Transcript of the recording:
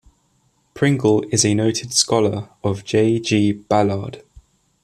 Pringle is a noted scholar of J. G. Ballard.